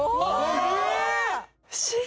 不思議！